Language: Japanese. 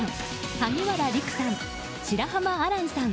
萩原利久さん、白濱亜嵐さん